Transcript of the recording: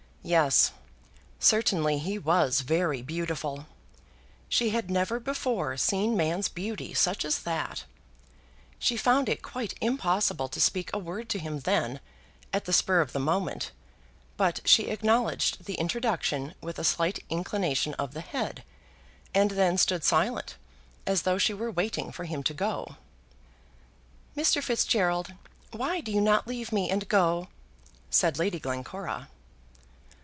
Yes; certainly he was very beautiful. She had never before seen man's beauty such as that. She found it quite impossible to speak a word to him then at the spur of the moment, but she acknowledged the introduction with a slight inclination of the head, and then stood silent, as though she were waiting for him to go. "Mr. Fitzgerald, why do you not leave me and go?" said Lady Glencora.